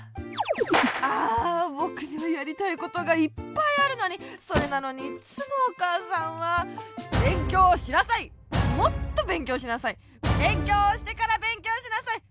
ああぼくにはやりたいことがいっぱいあるのにそれなのにいっつもおかあさんは「べんきょうしなさい！もっとべんきょうしなさい！べんきょうしてからべんきょうしなさい！」。